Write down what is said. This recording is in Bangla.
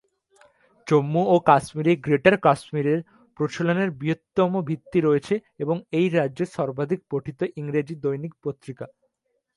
জম্মু ও কাশ্মীরে "গ্রেটার কাশ্মীরের" প্রচলনের বৃহত্তম ভিত্তি রয়েছে এবং এই রাজ্যের সর্বাধিক পঠিত ইংরেজি দৈনিক পত্রিকা।